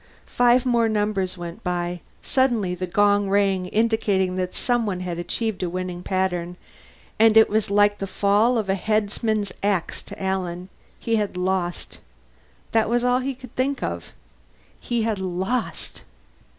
Five more numbers went by. Suddenly the gong rang, indicating that someone had achieved a winning pattern, and it was like the fall of a headsman's axe to Alan. He had lost. That was all he could think of. He had lost.